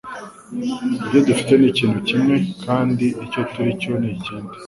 Ibyo dufite ni ikintu kimwe kandi icyo turi cyo ni ikindi